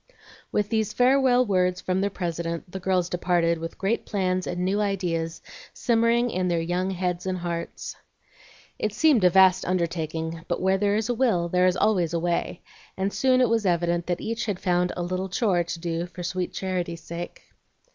With these farewell words from their president the girls departed, with great plans and new ideas simmering in their young heads and hearts. It seemed a vast undertaking; but where there is a will there is always a way, and soon it was evident that each had found "a little chore" to do for sweet charity's sake.